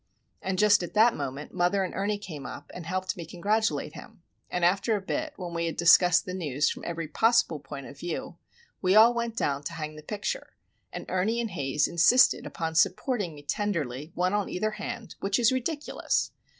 And just at that moment mother and Ernie came up, and helped me congratulate him;—and after a bit, when we had discussed the news from every possible point of view, we all went down to hang the picture, and Ernie and Haze insisted upon supporting me tenderly, one on either hand, which was ridiculous!